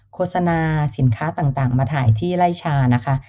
โฆษณาสินค้าต่างมาถ่ายที่ไล่ชานะคะ